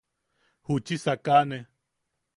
Juchi sakane.